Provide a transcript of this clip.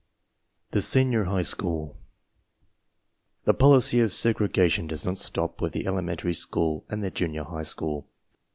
THE SENIOR HIGH SCHOOL The policy of segregation . does not stop with the elementary school and the junior high school.